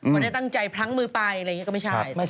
ไม่ได้ตั้งใจพลั้งมือไปอะไรอย่างนี้ก็ไม่ใช่